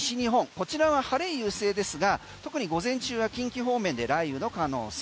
こちらは晴れ優勢ですが特に午前中は近畿方面で雷雨の可能性。